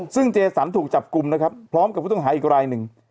ซึ่งเจสันถูกจับกลุ่มนะครับพร้อมกับผู้ต้องหาอีกรายหนึ่ง